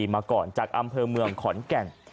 มาก่อนจากอำเภอเมืองขอนแก่น